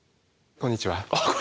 こんにちは。